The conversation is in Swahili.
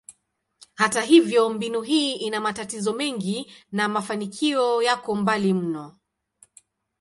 Hata hivyo, mbinu hii ina matatizo mengi na mafanikio yako mbali mno.